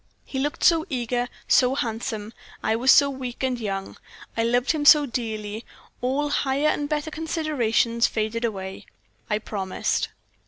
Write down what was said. "He looked so eager, so handsome; I was so weak and young. I loved him so dearly, all higher and better considerations faded away I promised."